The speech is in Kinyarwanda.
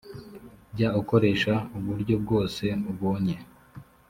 jya ukoresha uburyo bwose ubonye